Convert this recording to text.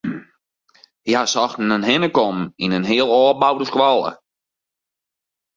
Hja sochten in hinnekommen yn in heal ôfboude skoalle.